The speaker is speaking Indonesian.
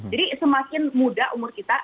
jadi semakin muda umur kita